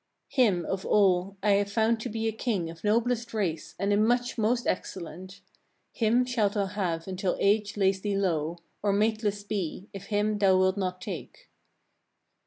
30. "Him of all I have found to be a king of noblest race, and in much most excellent: him shalt thou have until age lays thee low, or mateless be, if him thou wilt not take."